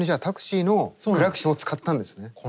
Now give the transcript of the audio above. タクシーのクラクションを使ったんですね。